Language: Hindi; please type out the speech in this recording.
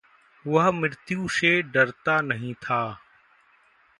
वह मृत्यु से डरता नहीं था।